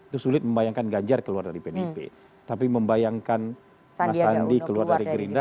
tapi membayangkan mas andi keluar dari gerindra